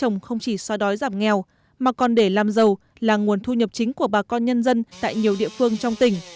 không chỉ xoa đói giảm nghèo mà còn để làm giàu là nguồn thu nhập chính của bà con nhân dân tại nhiều địa phương trong tỉnh